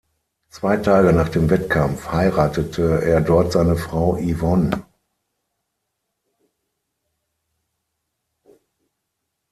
Zwei Tage nach dem Wettkampf heiratete er dort seine Frau "Yvonne".